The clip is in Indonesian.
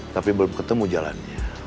tapi belum ketemu jalannya